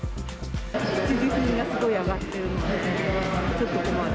必需品がすごい上がっているので、ちょっと困る。